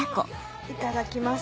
いただきます。